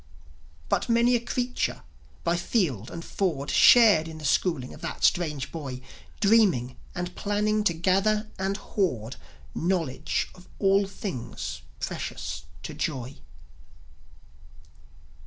But many a creature by field and ford Shared in the schooling of that strange boy, Dreaming and planning to gather and hoard Knowledge of all things precious to Joi.